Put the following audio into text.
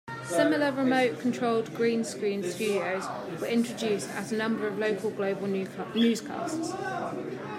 Similar remote-controlled greenscreen studios were introduced at a number of local Global newscasts.